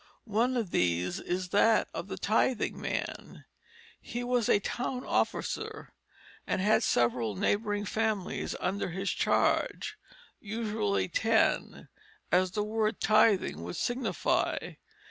One of these is that of tithing man; he was a town officer, and had several neighboring families under his charge, usually ten, as the word "tithing" would signify.